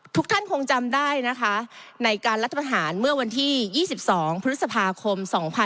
ทุกท่านคงจำได้นะคะในการรัฐประหารเมื่อวันที่๒๒พฤษภาคม๒๕๖๒